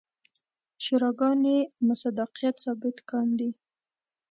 شوراګانې مصداقیت ثابت کاندي.